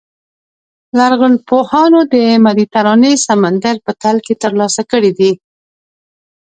لرغونپوهانو د مدیترانې سمندر په تل کې ترلاسه کړي دي.